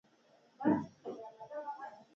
ناجیې په خندا وویل چې هغه مېلمه داره ده